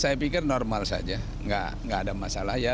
saya pikir normal saja nggak ada masalah ya